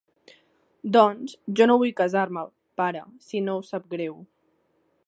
Doncs, jo no vull casar-me, pare, si no us sap greu.